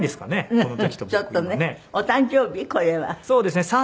そうですね。